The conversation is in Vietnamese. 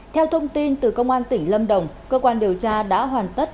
theo thông tin từ công an tỉnh lâm đồng cơ quan điều tra đã hoàn tất